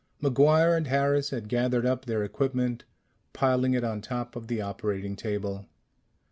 MacGuire and Harris had gathered up their equipment, piling it on top of the operating table.